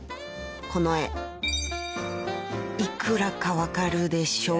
この絵幾らか分かるでしょうか？］